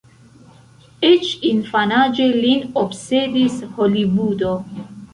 Eĉ infanaĝe lin obsedis Holivudo.